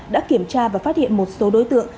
đã kiểm tra và phát hiện một số đối tượng